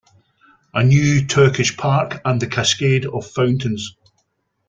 A new Turkish Park and the cascade of fountains.